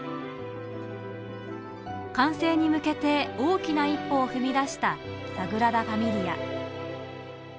完成に向けて大きな一歩を踏み出したサグラダ・ファミリア。